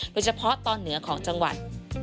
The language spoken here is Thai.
โดยเฉพาะตอนเหนือของจังหวัด